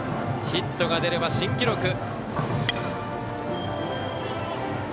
ヒットが出れば新記録。